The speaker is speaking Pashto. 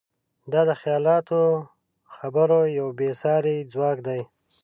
دا د خیالاتو د خبرو یو بېساری ځواک دی.